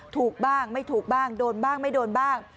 ถูกบ้างไม่ถูกบ้างโดนบ้างไม่โดนบ้าง